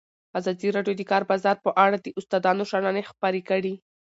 ازادي راډیو د د کار بازار په اړه د استادانو شننې خپرې کړي.